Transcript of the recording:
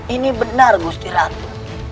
ini benar gusti ratu